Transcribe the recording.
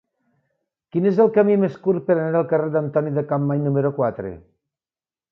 Quin és el camí més curt per anar al carrer d'Antoni de Capmany número quatre?